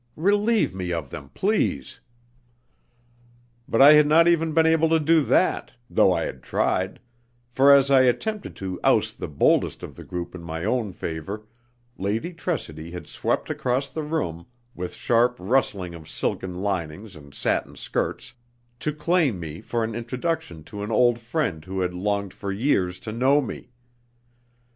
Relieve me of them, please." But I had not even been able to do that, though I had tried, for as I attempted to oust the boldest of the group in my own favour, Lady Tressidy had swept across the room, with sharp rustling of silken linings and satin skirts, to claim me for an introduction to "an old friend who had longed for years to know me."